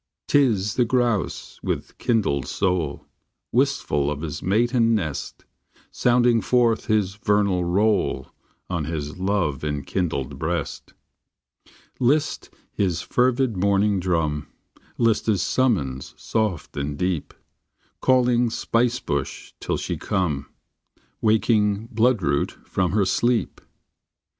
T is the grouse with kindled soul, Wistful of his mate and nest, Sounding forth his vernal roll On his love enkindled breast. List his fervid morning drum, List his summons soft and deep, Calling spice bush till she come, Waking bloodroot from her sleep.